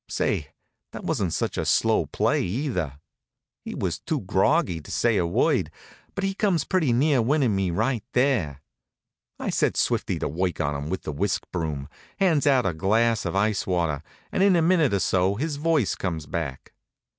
Say, that wasn't such a slow play, either! He was too groggy to say a word, but he comes pretty near winnin' me right there. I sets Swifty to work on him with the whisk broom, hands out a glass of ice water, and in a minute or so his voice comes back.